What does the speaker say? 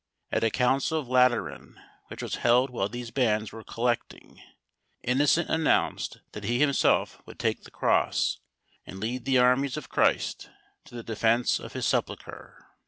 At a Council of Lateran, which was held while these bands were collecting, Innocent announced that he himself would take the Cross, and lead the armies of Christ to the defence of his sepulchre.